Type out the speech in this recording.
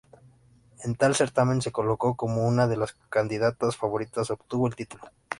En tal certamen se colocó como una de las candidatas favoritas, obtuvo el título.